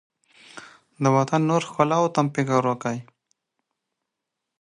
ازادي راډیو د د ځنګلونو پرېکول پر وړاندې د حل لارې وړاندې کړي.